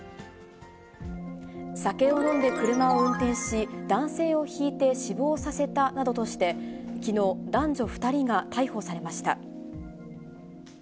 酒を飲んで車を運転し、男性をひいて死亡させたなどとして、きのう、男女２人が逮捕されました。